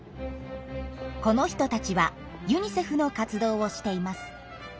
この人たちはユニセフの活動をしています。